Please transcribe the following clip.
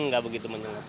nggak begitu menyengat